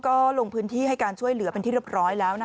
ก็ลงพื้นที่ให้การช่วยเหลือเป็นที่เรียบร้อยแล้ว